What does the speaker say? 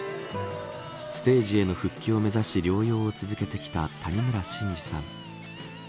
ステージへの復帰を目指し療養を続けてきた谷村新司さん。